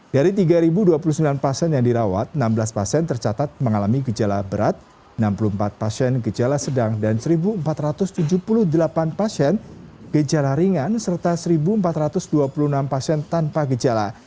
dari tiga dua puluh sembilan pasien yang dirawat enam belas pasien tercatat mengalami gejala berat enam puluh empat pasien gejala sedang dan satu empat ratus tujuh puluh delapan pasien gejala ringan serta satu empat ratus dua puluh enam pasien tanpa gejala